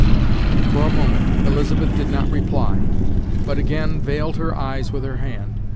For a moment Elizabeth did not reply, but again veiled her eyes with her hand.